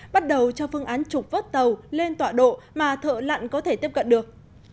bắt đầu cho phương án trục vớt tàu lên tọa độ mà thợ lặn có thể tiếp cận được